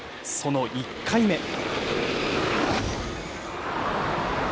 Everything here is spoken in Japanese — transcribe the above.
その１回目。